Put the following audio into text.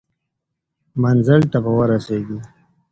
منزل ته به ورسیږئ.